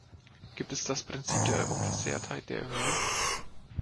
Gibt es das Prinzip der Unversehrtheit der Union?